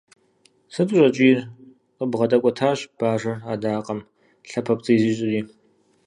Сыт ущӏэкӏийр?- къыбгъэдэкӏуэтащ бажэр адакъэм, лъапэпцӏий зищӏри.